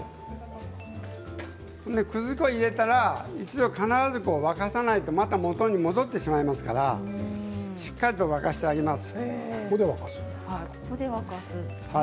くず粉を入れたら一度必ず沸かさないとまた元に戻ってしまいますからしっかりと沸かしてあげます。